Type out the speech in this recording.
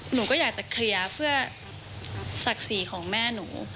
หนูก็อยากจะเคลียร์เพื่อศักดิ์ศรีของแม่หนู